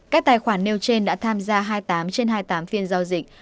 các tài khoản nêu trên đã tham gia hai mươi tám trên hai mươi tám phiên giao dịch